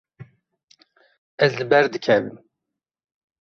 Ez li ber dikevim.